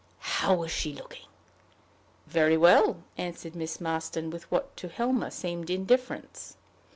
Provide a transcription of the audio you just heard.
"How was she looking?" "Very well," answered Miss Marston, with what to Helmer seemed indifference.